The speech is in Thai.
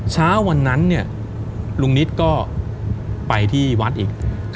เช้าวันนั้นเนี่ยลุงนิดก็ไปที่วัดอีก